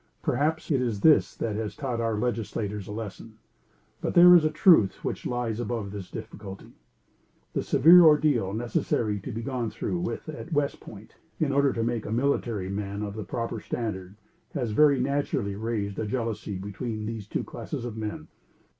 Perhaps it is this that has taught our legislators a lesson. But there is a truth which lies above this difficulty. The severe ordeal necessary to be gone through with at West Point, in order to make military men of the proper standard, has very naturally raised a jealousy between these two classes of men.